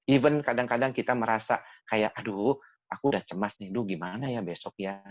even kadang kadang kita merasa kayak aduh aku udah cemas nih lu gimana ya besok ya